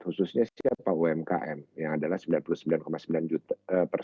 khususnya siapa umkm yang adalah sembilan puluh sembilan sembilan juta